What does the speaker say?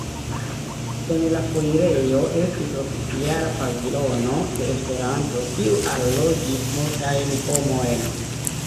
En la foirejo estis oficiala pavilono de Esperanto, kiu allogis multajn homojn.